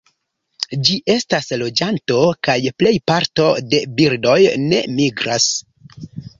Ĝi estas loĝanto, kaj plej parto de birdoj ne migras.